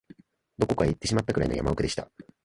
どこかへ行ってしまったくらいの山奥でした